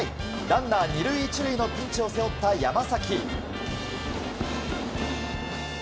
ランナー２塁１塁のピンチを背負った山崎。